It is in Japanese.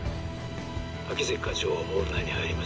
「秋月課長がモール内に入りました。